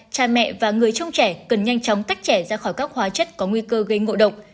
cha mẹ và người trông trẻ cần nhanh chóng tách trẻ ra khỏi các hóa chất có nguy cơ gây ngộ độc